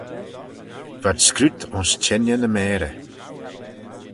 V'ad scruit ayns çhengey ny mayrey.